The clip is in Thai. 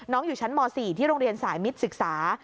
อยู่ชั้นม๔ที่โรงเรียนสายมิตรศึกษา